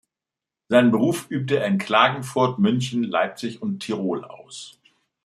Seinen Beruf übte er in Klagenfurt, München, Leipzig und Tirol aus.